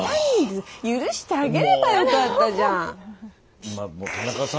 許してあげればよかったじゃん。